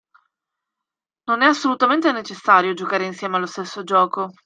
Non è assolutamente necessario giocare insieme allo stesso gioco.